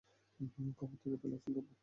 কবর থেকে একটা লাশ তুলতে হবে!